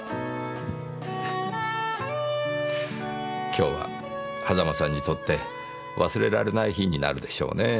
今日は狭間さんにとって忘れられない日になるでしょうねぇ。